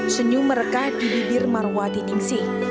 senyum merekah di bibir marwati ningsi